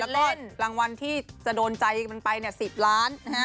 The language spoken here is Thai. แล้วก็รางวัลที่จะโดนใจมันไป๑๐ล้าน